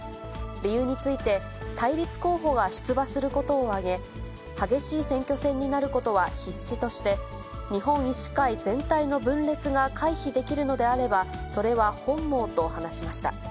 理由について、対立候補が出馬することを挙げ、激しい選挙戦になることは必至として、日本医師会全体の分裂が回避できるのであれば、それは本望と話しました。